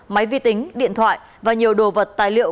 máy vi tính điện thoại và nhiều đồ vật tài liệu